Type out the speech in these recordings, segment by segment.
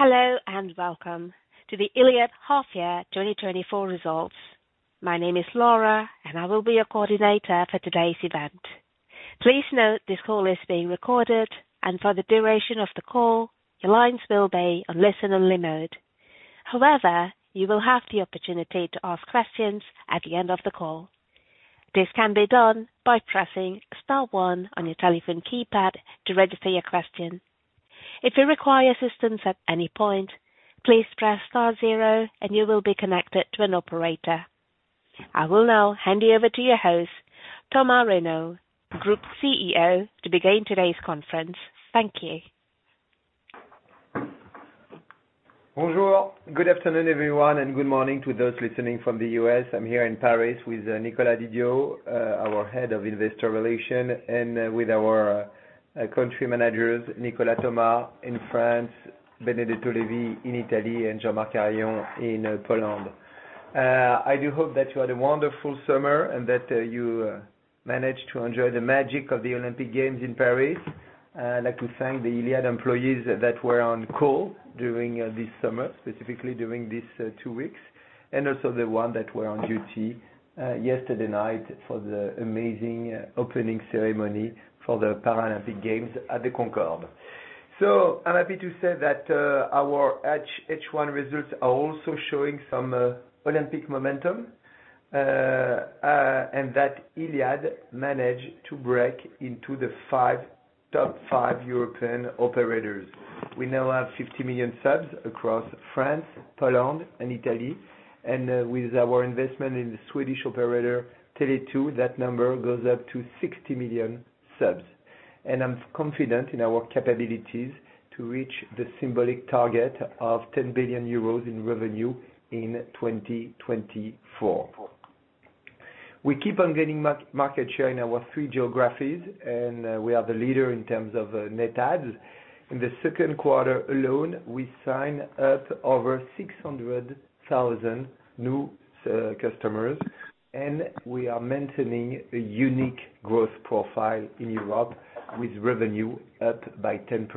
Hello, and welcome to the Iliad half year twenty twenty-four results. My name is Laura, and I will be your coordinator for today's event. Please note, this call is being recorded, and for the duration of the call, your lines will be on listen only mode. However, you will have the opportunity to ask questions at the end of the call. This can be done by pressing star one on your telephone keypad to register your question. If you require assistance at any point, please press star zero and you will be connected to an operator. I will now hand you over to your host, Thomas Reynaud, Group CEO, to begin today's conference. Thank you. Bonjour. Good afternoon, everyone, and good morning to those listening from the U.S. I'm here in Paris with Nicolas Didier, our Head of Investor Relations, and with our country managers, Nicolas Thomas in France, Benedetto Levi in Italy, and Jean-Marc Harion in Poland. I do hope that you had a wonderful summer and that you managed to enjoy the magic of the Olympic Games in Paris. I'd like to thank the Iliad employees that were on call during this summer, specifically during this two weeks, and also the one that were on duty yesterday night for the amazing opening ceremony for the Paralympic Games at the Concorde. So I'm happy to say that our H1 results are also showing some Olympic momentum, and that Iliad managed to break into the top five European operators. We now have 50 million subs across France, Poland, and Italy, and with our investment in the Swedish operator, Tele2, that number goes up to 60 million subs, and I'm confident in our capabilities to reach the symbolic target of 10 billion euros in revenue in 2024. We keep on gaining market share in our three geographies, and we are the leader in terms of net adds. In the second quarter alone, we sign up over 600,000 new customers, and we are maintaining a unique growth profile in Europe with revenue up by 10%.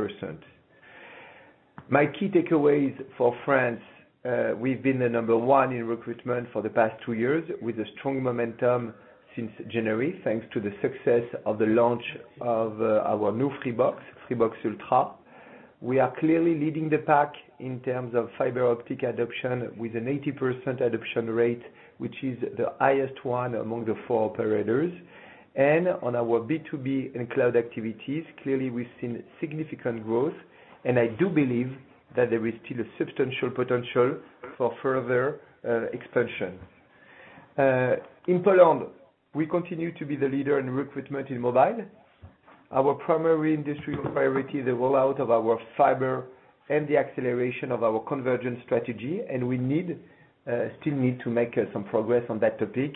My key takeaways for France, we've been the number one in recruitment for the past two years, with a strong momentum since January, thanks to the success of the launch of our new Freebox, Freebox Ultra. We are clearly leading the pack in terms of fiber optic adoption, with an 80% adoption rate, which is the highest one among the four operators. And on our B2B and cloud activities, clearly, we've seen significant growth, and I do believe that there is still a substantial potential for further expansion. In Poland, we continue to be the leader in recruitment in mobile. Our primary industry priority is the rollout of our fiber and the acceleration of our convergence strategy, and we still need to make some progress on that topic.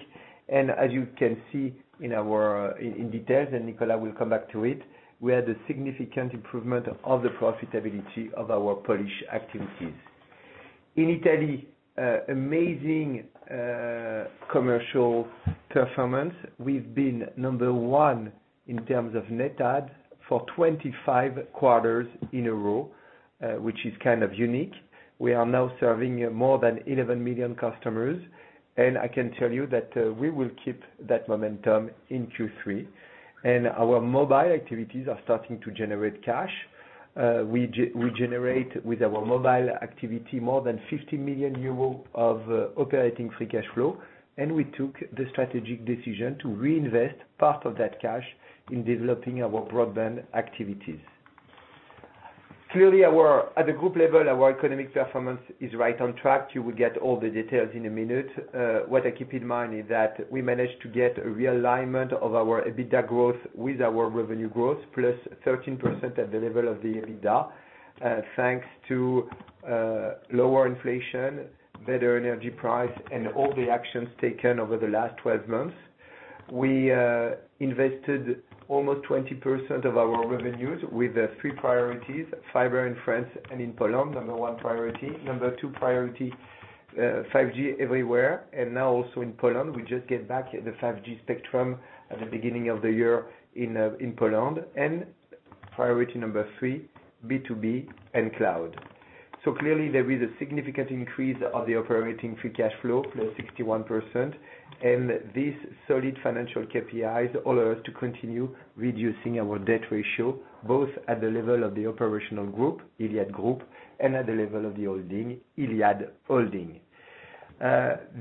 And as you can see in our details, and Nicolas will come back to it, we had a significant improvement of the profitability of our Polish activities. In Italy, amazing commercial performance. We've been number one in terms of net add for 25 quarters in a row, which is kind of unique. We are now serving more than 11 million customers, and I can tell you that, we will keep that momentum in Q3. And our mobile activities are starting to generate cash. We generate with our mobile activity more than 50 million euros of operating free cash flow, and we took the strategic decision to reinvest part of that cash in developing our broadband activities. Clearly, our, at the group level, our economic performance is right on track. You will get all the details in a minute. What I keep in mind is that we managed to get a realignment of our EBITDA growth with our revenue growth, plus 13% at the level of the EBITDA, thanks to lower inflation, better energy price, and all the actions taken over the last twelve months. We invested almost 20% of our revenues with the three priorities: fiber in France and in Poland, number one priority. Number two priority, 5G everywhere, and now also in Poland. We just get back in the 5G spectrum at the beginning of the year in Poland, and priority number three, B2B and cloud. So clearly there is a significant increase of the operating free cash flow, plus 61%, and these solid financial KPIs allow us to continue reducing our debt ratio, both at the level of the operational group, Iliad Group, and at the level of the holding, Iliad Holding.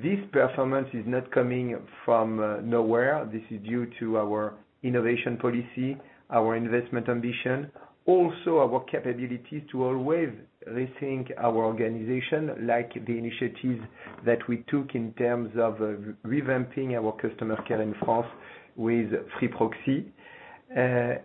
This performance is not coming from nowhere. This is due to our innovation policy, our investment ambition, also our capability to always rethink our organization, like the initiatives that we took in terms of revamping our customer care in France with Free Proxi,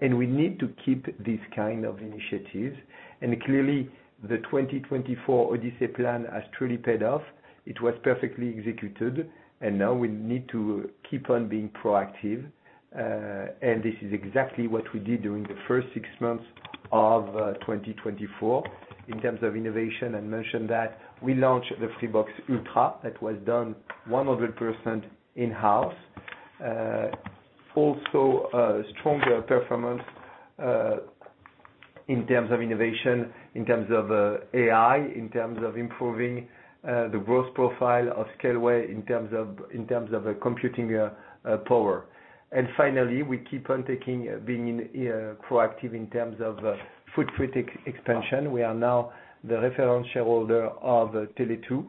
and we need to keep this kind of initiatives and clearly, the 2024 Odyssey plan has truly paid off. It was perfectly executed, and now we need to keep on being proactive, and this is exactly what we did during the first six months of 2024 in terms of innovation. I mentioned that we launched the Freebox Ultra. That was done 100% in-house. Also, stronger performance in terms of innovation, in terms of AI, in terms of improving the growth profile of Scaleway, in terms of computing power. And finally, we keep on being proactive in terms of fiber optic expansion. We are now the reference shareholder of Tele2,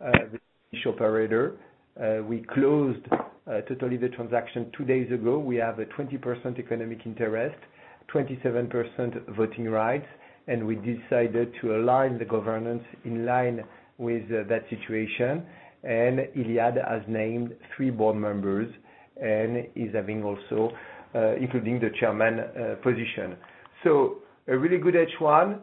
the operator. We closed totally the transaction two days ago. We have a 20% economic interest, 27% voting rights, and we decided to align the governance in line with that situation. And Iliad has named three board members and is having also, including the chairman position. So a really good H1.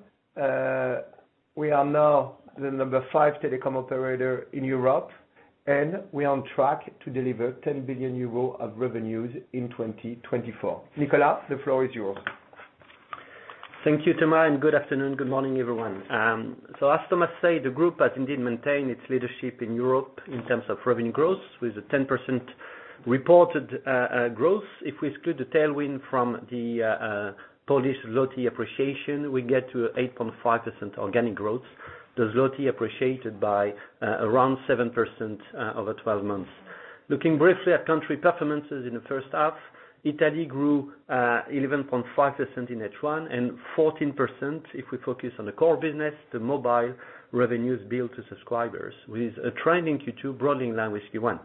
We are now the number five telecom operator in Europe, and we are on track to deliver 10 billion euros of revenues in 2024. Nicolas, the floor is yours. Thank you, Thomas, and good afternoon. Good morning, everyone, so as Thomas said, the group has indeed maintained its leadership in Europe in terms of revenue growth, with a 10% reported growth. If we exclude the tailwind from the Polish zloty appreciation, we get to 8.5% organic growth. The zloty appreciated by around 7% over 12 months. Looking briefly at country performances in the first half, Italy grew 11.5% in H1, and 14% if we focus on the core business, the mobile revenues billed to subscribers, with a trend in Q2 broadly in line with Q1.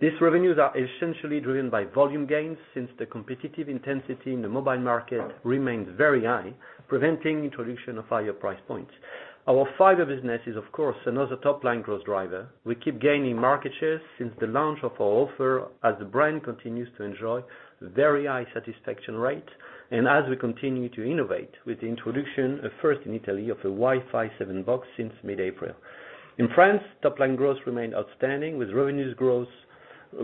These revenues are essentially driven by volume gains since the competitive intensity in the mobile market remains very high, preventing introduction of higher price points. Our fiber business is, of course, another top-line growth driver. We keep gaining market shares since the launch of our offer, as the brand continues to enjoy very high satisfaction rate and as we continue to innovate with the introduction, a first in Italy, of a Wi-Fi 7 box since mid-April. In France, top-line growth remained outstanding, with revenues growth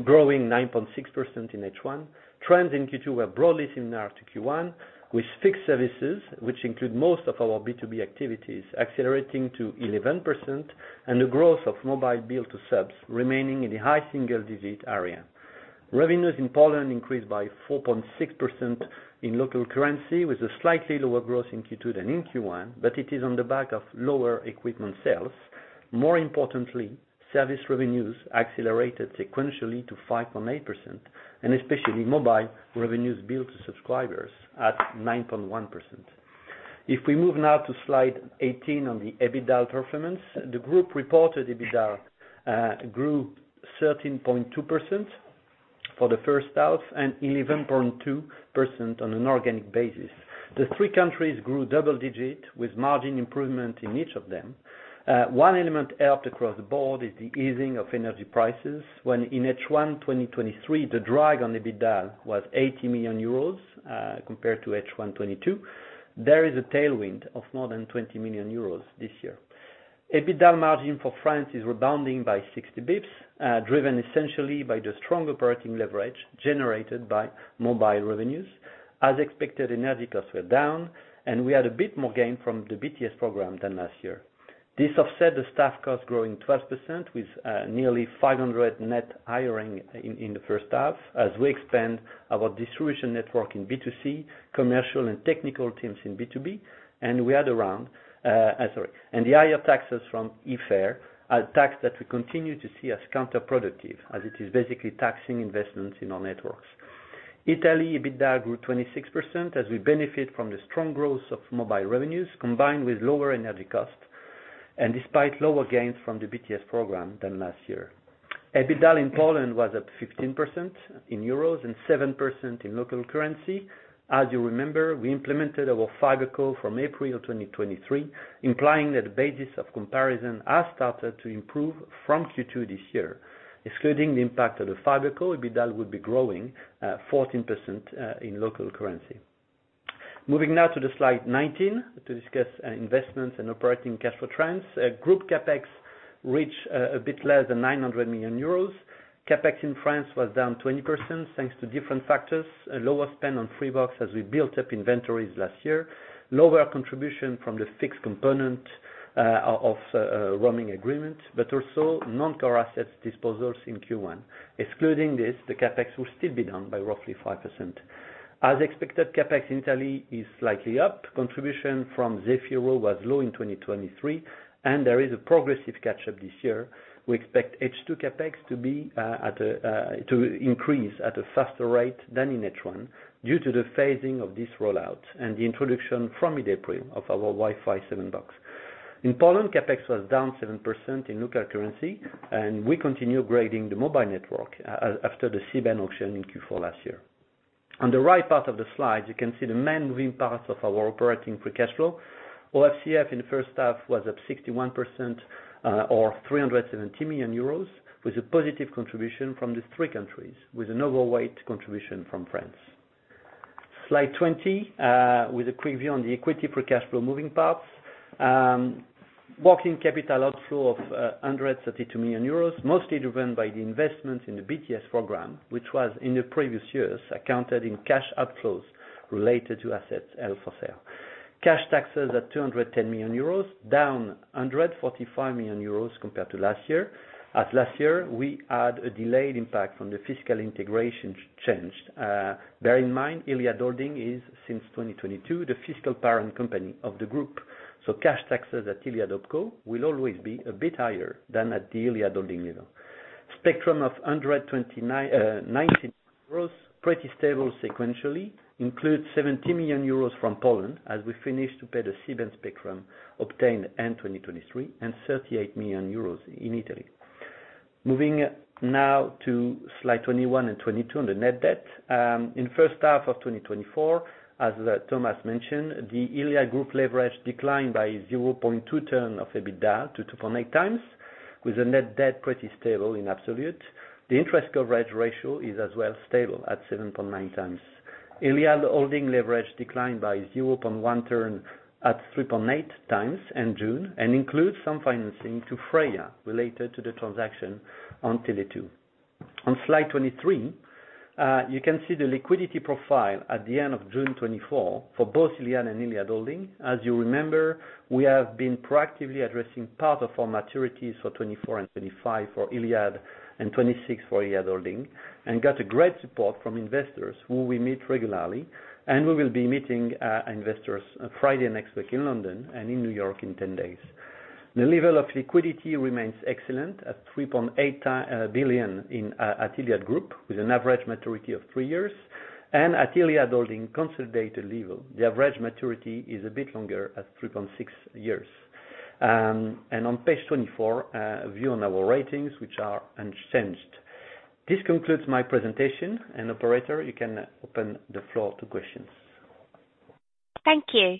growing 9.6% in H1. Trends in Q2 were broadly similar to Q1, with fixed services, which include most of our B2B activities, accelerating to 11% and the growth of mobile billed to subs remaining in the high single digit area. Revenues in Poland increased by 4.6% in local currency, with a slightly lower growth in Q2 than in Q1, but it is on the back of lower equipment sales. More importantly, service revenues accelerated sequentially to 5.8%, and especially mobile revenues billed to subscribers at 9.1%. If we move now to slide 18 on the EBITDA performance, the group reported EBITDA grew 13.2% for the first half and 11.2% on an organic basis. The three countries grew double-digit with margin improvement in each of them. One element helped across the board is the easing of energy prices, when in H1 2023, the drag on EBITDA was 80 million euros compared to H1 2022. There is a tailwind of more than 20 million euros this year. EBITDA margin for France is rebounding by 60 basis points, driven essentially by the strong operating leverage generated by mobile revenues. As expected, energy costs were down, and we had a bit more gain from the BTS program than last year. This offset the staff cost, growing 12% with nearly 500 net hiring in the first half as we expand our distribution network in B2C, commercial and technical teams in B2B, and we had around, and the higher taxes from IFER, a tax that we continue to see as counterproductive, as it is basically taxing investments in our networks. Italy, EBITDA grew 26% as we benefit from the strong growth of mobile revenues, combined with lower energy costs and despite lower gains from the BTS program than last year. EBITDA in Poland was at 15% in euros and 7% in local currency. As you remember, we implemented our FiberCop from April of 2023, implying that the basis of comparison has started to improve from Q2 this year. Excluding the impact of the FiberCop, EBITDA would be growing 14% in local currency. Moving now to slide 19 to discuss investments and operating cash flow trends. Group CapEx reached a bit less than 900 million euros. CapEx in France was down 20%, thanks to different factors: a lower spend on Freebox as we built up inventories last year, lower contribution from the fixed component of roaming agreement, but also non-core assets disposals in Q1. Excluding this, the CapEx will still be down by roughly 5%. As expected, CapEx in Italy is slightly up. Contribution from Zefiro was low in 2023, and there is a progressive catch-up this year. We expect H2 CapEx to be at a faster rate than in H1, due to the phasing of this rollout and the introduction from mid-April of our Wi-Fi 7 box. In Poland, CapEx was down 7% in local currency, and we continue upgrading the mobile network after the C-band auction in Q4 last year. On the right part of the slide, you can see the main moving parts of our operating free cash flow. Our FCF in the first half was up 61%, or 370 million euros, with a positive contribution from the three countries, with an overweight contribution from France. Slide 20, with a quick view on the equity free cash flow moving parts. Working capital outflow of 132 million euros, mostly driven by the investment in the BTS program, which was in the previous years, accounted in cash outflows related to assets held for sale. Cash taxes at 210 million euros, down 145 million euros compared to last year. As last year, we had a delayed impact from the fiscal integration change. Bear in mind, Iliad Holding is, since 2022, the fiscal parent company of the group. So cash taxes at Iliad OpCo will always be a bit higher than at the Iliad Holding level. Spectrum of 129.90 euros, pretty stable sequentially, includes 70 million euros from Poland, as we finish to pay the C-band spectrum obtained in 2023, and 38 million euros in Italy. Moving now to slides 21 and 22, on the net debt. In first half of 2024, as Thomas mentioned, the Iliad Group leverage declined by 0.2 turn of EBITDA to 2.8 times, with the net debt pretty stable in absolute. The interest coverage ratio is as well stable at 7.9 times. Iliad Holding leverage declined by 0.1 turn at 3.8 times in June, and includes some financing to Freya, related to the transaction on Tele2. On slide 23, you can see the liquidity profile at the end of June 2024 for both Iliad and Iliad Holding. As you remember, we have been proactively addressing part of our maturities for 2024 and 2025 for Iliad, and 2026 for Iliad Holding, and got a great support from investors who we meet regularly, and we will be meeting investors Friday next week in London and in New York in ten days. The level of liquidity remains excellent, at 3.8 billion in at Iliad Group, with an average maturity of three years, and at Iliad Holding consolidated level, the average maturity is a bit longer, at 3.6 years. And on page 24, a view on our ratings, which are unchanged. This concludes my presentation, and operator, you can open the floor to questions. Thank you.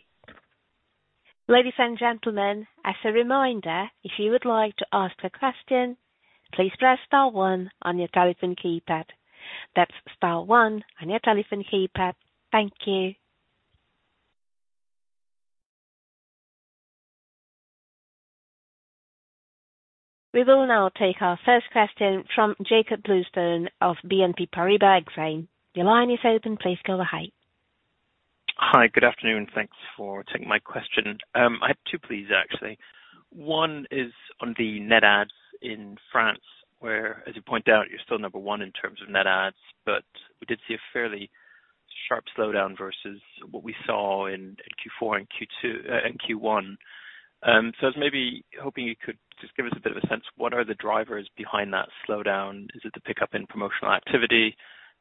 Ladies and gentlemen, as a reminder, if you would like to ask a question, please press star one on your telephone keypad. That's star one on your telephone keypad. Thank you. We will now take our first question from Jakob Bluestone of BNP Paribas Exane. Your line is open, please go ahead. Hi, good afternoon, thanks for taking my question. I have two, please, actually. One is on the net adds in France, where, as you point out, you're still number one in terms of net adds, but we did see a fairly sharp slowdown versus what we saw in Q4 and Q2 in Q1. So I was maybe hoping you could just give us a bit of a sense, what are the drivers behind that slowdown? Is it the pickup in promotional activity?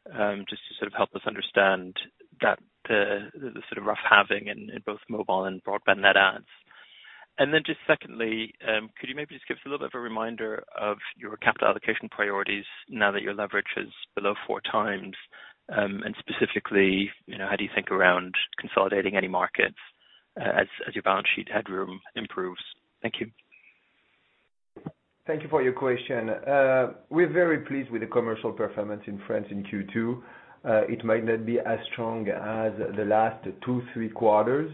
Just to sort of help us understand that, the sort of rough halving in both mobile and broadband net adds. And then just secondly, could you maybe just give us a little bit of a reminder of your capital allocation priorities now that your leverage is below four times? And specifically, you know, how do you think around consolidating any markets, as your balance sheet headroom improves? Thank you. Thank you for your question. We're very pleased with the commercial performance in France in Q2. It might not be as strong as the last two, three quarters,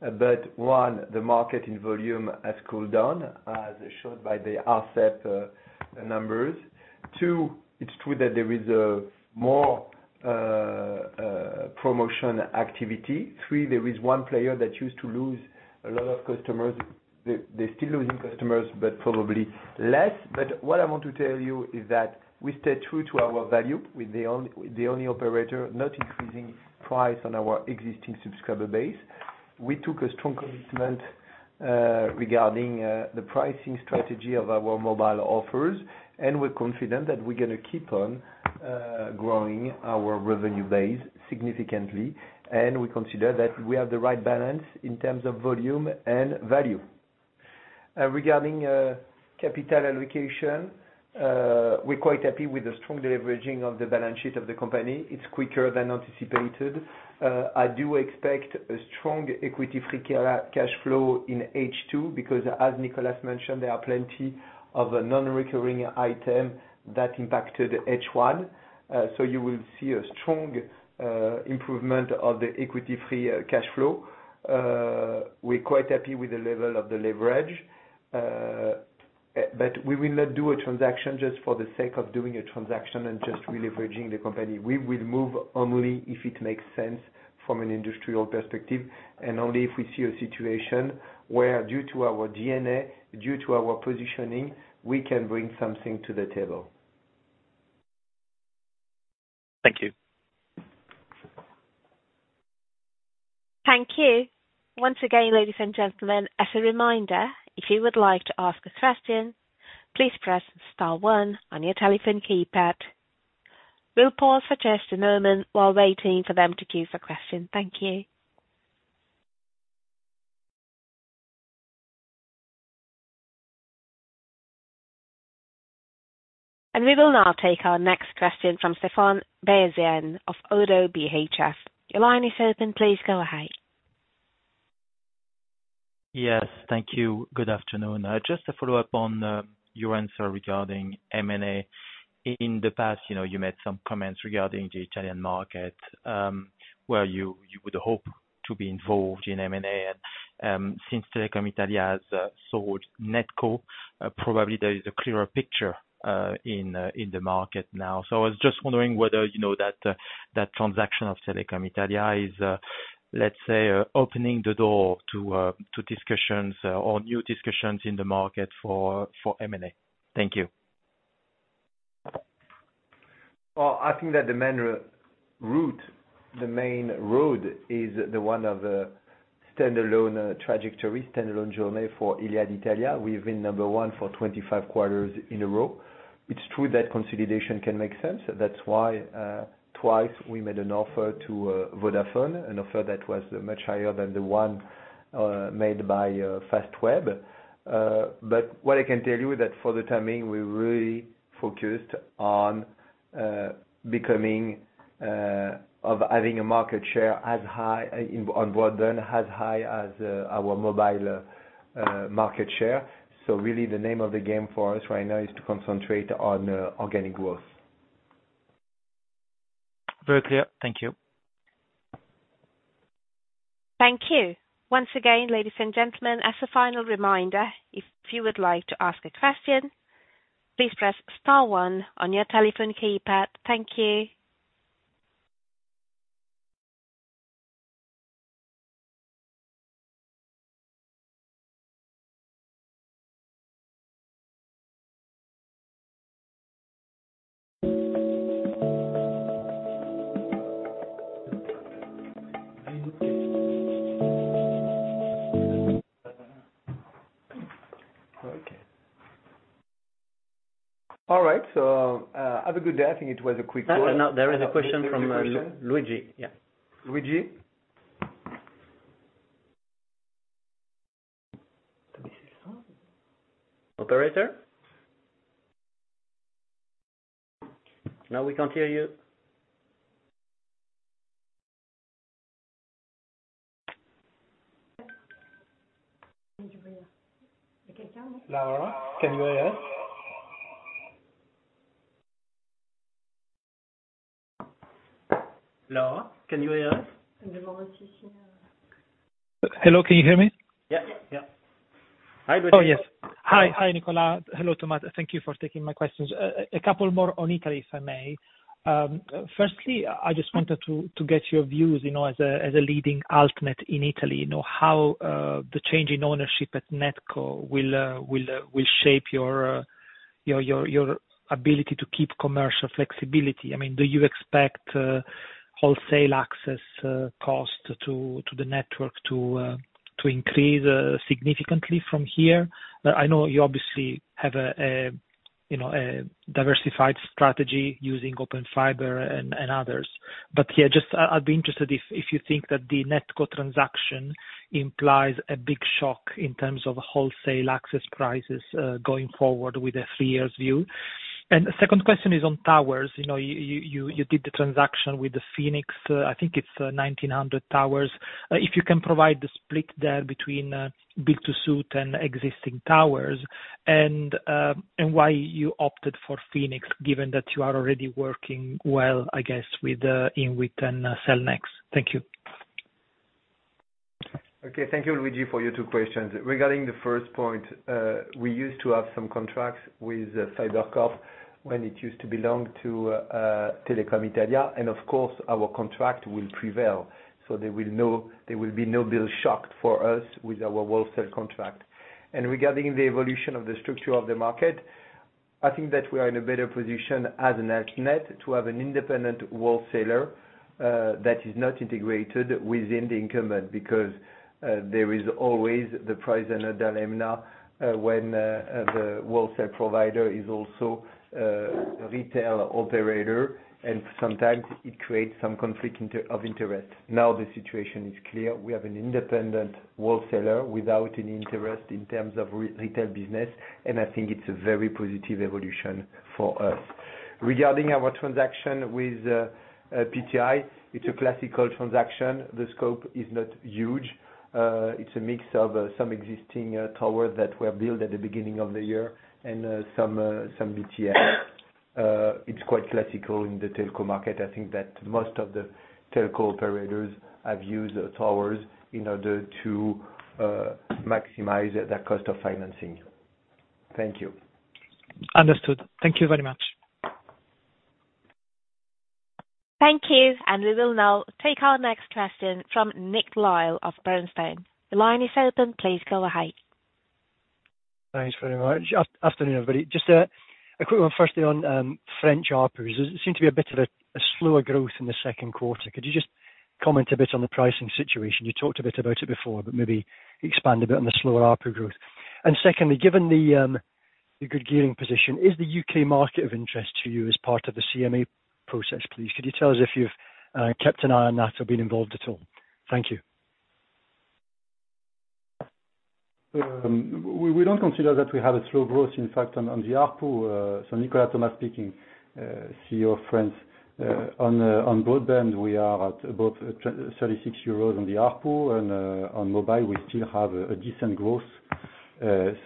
but one, the market in volume has cooled down, as shown by the Arcep numbers. Two, it's true that there is more promotion activity. Three, there is one player that used to lose a lot of customers. They're still losing customers, but probably less. But what I want to tell you is that we stay true to our value. We're the only operator not increasing price on our existing subscriber base. We took a strong commitment regarding the pricing strategy of our mobile offers, and we're confident that we're gonna keep on growing our revenue base significantly. And we consider that we have the right balance in terms of volume and value. Regarding capital allocation, we're quite happy with the strong leveraging of the balance sheet of the company. It's quicker than anticipated. I do expect a strong equity free cash flow in H2, because as Nicolas mentioned, there are plenty of non-recurring item that impacted H1. So you will see a strong improvement of the equity free cash flow. We're quite happy with the level of the leverage, but we will not do a transaction just for the sake of doing a transaction and just releveraging the company. We will move only if it makes sense from an industrial perspective, and only if we see a situation where, due to our DNA, due to our positioning, we can bring something to the table. Thank you. Thank you. Once again, ladies and gentlemen, as a reminder, if you would like to ask a question, please press star one on your telephone keypad. We'll pause for just a moment while waiting for them to queue for question. Thank you, and we will now take our next question from Stéphane Beyazian of ODDO BHF. Your line is open, please go ahead. Yes, thank you. Good afternoon. Just to follow up on your answer regarding M&A. In the past, you know, you made some comments regarding the Italian market, where you would hope to be involved in M&A and... Since Telecom Italia has sold NetCo, probably there is a clearer picture in the market now. So I was just wondering whether, you know, that transaction of Telecom Italia is, let's say, opening the door to discussions or new discussions in the market for M&A. Thank you. I think that the main route, the main road, is the one of the standalone trajectory, standalone journey for Iliad Italia. We've been number one for 25 quarters in a row. It's true that consolidation can make sense. That's why twice we made an offer to Vodafone, an offer that was much higher than the one made by Fastweb. But what I can tell you is that for the time being, we're really focused on becoming of having a market share as high in broadband as high as our mobile market share. So really, the name of the game for us right now is to concentrate on organic growth. Very clear. Thank you. Thank you. Once again, ladies and gentlemen, as a final reminder, if you would like to ask a question, please press star one on your telephone keypad. Thank you. Okay. All right, so, have a good day. I think it was a quick one. No, there is a question from. There's a question? Luigi. Yeah. Luigi? Operator? No, we can't hear you. Laura, can you hear us? Laura, can you hear us? Hello, can you hear me? Yeah. Yeah. Hi, Luigi. Oh, yes. Hi. Hi, Nicolas. Hello, Thomas. Thank you for taking my questions. A couple more on Italy, if I may. Firstly, I just wanted to get your views, you know, as a leading Altnet in Italy, you know, how the change in ownership at NetCo will shape your ability to keep commercial flexibility. I mean, do you expect wholesale access cost to the network to increase significantly from here? I know you obviously have, you know, a diversified strategy using Open Fiber and others. But yeah, just I'd be interested if you think that the NetCo transaction implies a big shock in terms of wholesale access prices going forward with a three years view. And the second question is on towers. You know, you did the transaction with the Phoenix, I think it's 1,900 towers. If you can provide the split there between build to suit and existing towers, and why you opted for Phoenix, given that you are already working well, I guess, with Cellnex. Thank you. Okay. Thank you, Luigi, for your two questions. Regarding the first point, we used to have some contracts with FiberCop when it used to belong to Telecom Italia, and of course, our contract will prevail, so there will be no bill shock for us with our wholesale contract, and regarding the evolution of the structure of the market, I think that we are in a better position as an Altnet to have an independent wholesaler that is not integrated within the incumbent, because there is always the prisoner's dilemma when the wholesale provider is also retail operator, and sometimes it creates some conflict of interest. Now, the situation is clear. We have an independent wholesaler without any interest in terms of retail business, and I think it's a very positive evolution for us. Regarding our transaction with PTI, it's a classical transaction. The scope is not huge. It's a mix of some existing tower that were built at the beginning of the year and some BTS. It's quite classical in the telco market. I think that most of the telco operators have used towers in order to maximize the cost of financing. Thank you. Understood. Thank you very much. Thank you, and we will now take our next question from Nick Lyall of Bernstein. The line is open. Please go ahead. Thanks very much. Afternoon, everybody. Just a quick one firstly on French ARPU. There seems to be a bit of a slower growth in the second quarter. Could you just comment a bit on the pricing situation? You talked a bit about it before, but maybe expand a bit on the slower ARPU growth. And secondly, given the good gearing position, is the UK market of interest to you as part of the CMA process, please? Could you tell us if you've kept an eye on that or been involved at all? Thank you. We don't consider that we have a slow growth, in fact, on the ARPU. So Nicolas Thomas speaking, CEO of France. On broadband, we are at about 36 euros on the ARPU, and on mobile, we still have a decent growth.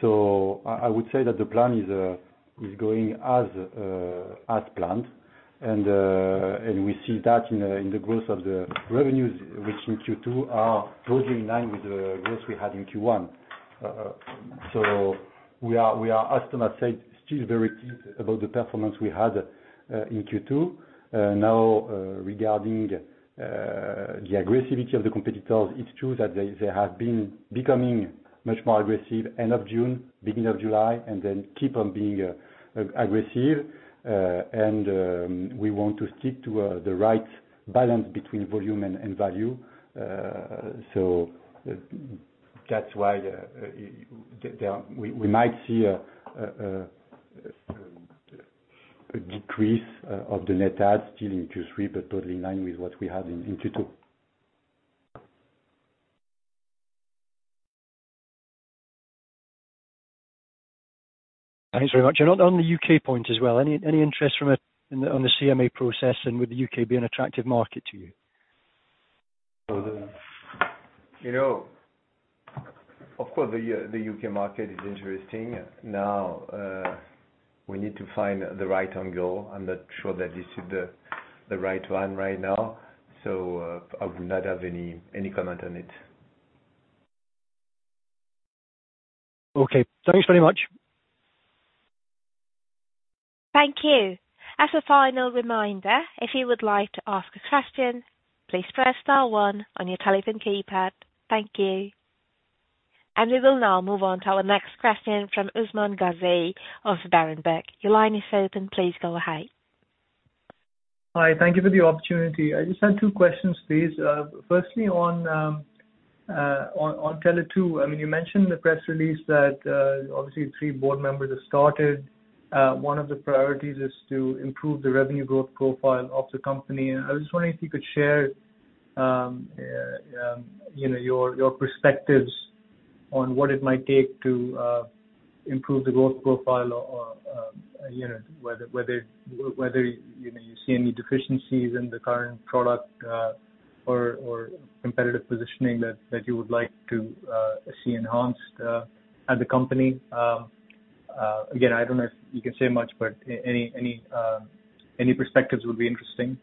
So I would say that the plan is going as planned, and we see that in the growth of the revenues, which in Q2 are totally in line with the growth we had in Q1. So we are, as Thomas said, still very pleased about the performance we had in Q2. Now, regarding the aggressiveness of the competitors, it's true that they have been becoming much more aggressive end of June, beginning of July, and then keep on being aggressive, and we want to stick to the right balance between volume and value, so that's why we might see a decrease of the net add still in Q3, but totally in line with what we had in Q2. Thanks very much. On the UK point as well, any interest on the CMA process, and would the UK be an attractive market to you? You know, of course, the UK market is interesting. Now, we need to find the right angle. I'm not sure that this is the right one right now, so, I would not have any comment on it. Okay, thanks very much. Thank you. As a final reminder, if you would like to ask a question, please press star one on your telephone keypad. Thank you. And we will now move on to our next question from Usman Gazi of Berenberg. Your line is open. Please go ahead. Hi, thank you for the opportunity. I just had two questions, please. Firstly, on Tele2. I mean, you mentioned in the press release that, obviously three board members have started. One of the priorities is to improve the revenue growth profile of the company. I was just wondering if you could share, you know, your perspectives on what it might take to improve the growth profile or, you know, whether you see any deficiencies in the current product or competitive positioning that you would like to see enhanced at the company. Again, I don't know if you can say much, but any perspectives would be interesting.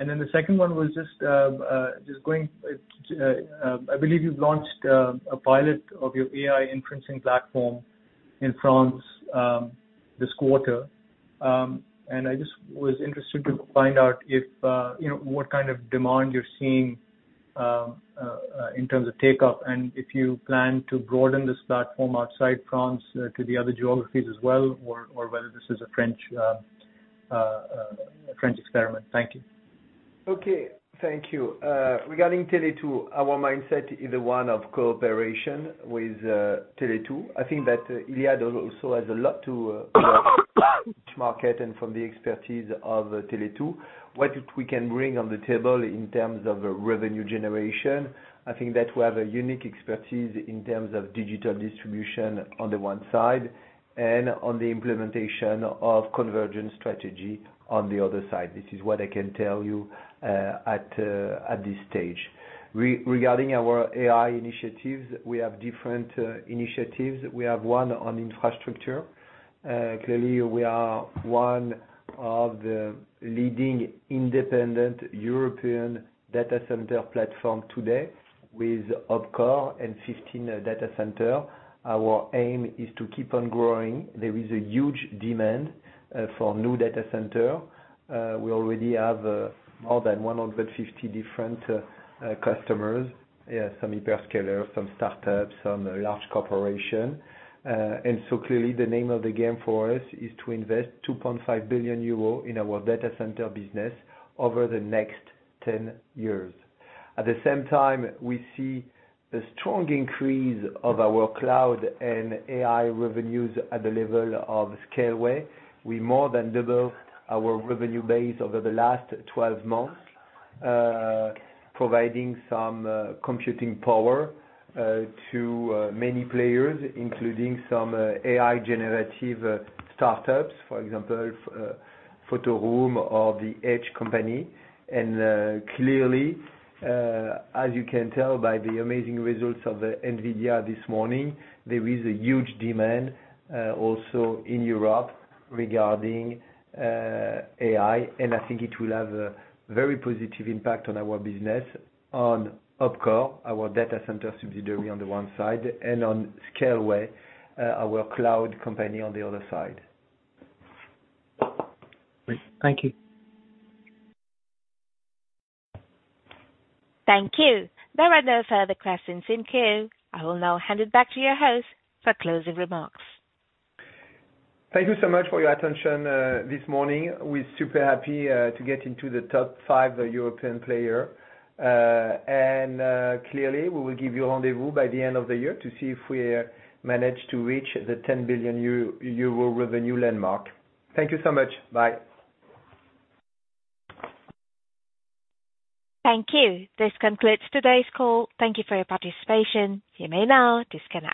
And then the second one was just going... I believe you've launched a pilot of your AI inferencing platform in France this quarter, and I just was interested to find out if you know what kind of demand you're seeing in terms of take-up, and if you plan to broaden this platform outside France to the other geographies as well, or whether this is a French experiment. Thank you. Okay, thank you. Regarding Tele2, our mindset is the one of cooperation with Tele2. I think that Iliad also has a lot to, each market, and from the expertise of Tele2, what we can bring on the table in terms of revenue generation. I think that we have a unique expertise in terms of digital distribution on the one side, and on the implementation of convergence strategy on the other side. This is what I can tell you, at this stage. Regarding our AI initiatives, we have different initiatives. We have one on infrastructure. Clearly, we are one of the leading independent European data center platform today with OpCore and 15 data center. Our aim is to keep on growing. There is a huge demand for new data center. We already have more than 150 different customers. Yeah, some hyperscalers, some startups, some large corporation. And so clearly, the name of the game for us is to invest 2.5 billion euro in our data center business over the next 10 years. At the same time, we see a strong increase of our cloud and AI revenues at the level of Scaleway. We more than double our revenue base over the last 12 months, providing some computing power to many players, including some AI generative startups, for example, PhotoRoom or The Edge Company. Clearly, as you can tell by the amazing results of the NVIDIA this morning, there is a huge demand also in Europe regarding AI, and I think it will have a very positive impact on our business, on OpCore, our data center subsidiary on the one side, and on Scaleway, our cloud company on the other side. Great. Thank you. Thank you. There are no further questions in queue. I will now hand it back to your host for closing remarks. Thank you so much for your attention, this morning. We're super happy to get into the top five European player, and clearly we will give you a rendezvous by the end of the year to see if we manage to reach the 10 billion euro revenue landmark. Thank you so much. Bye. Thank you. This concludes today's call. Thank you for your participation. You may now disconnect.